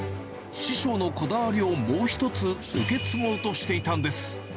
師匠のこだわりをもう一つ受け継ごうとしていたんです。